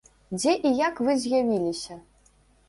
Дзе і як вы з'явіліся?